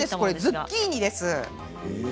ズッキーニです。